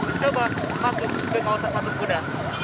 mencoba masuk ke kawasan patung kuda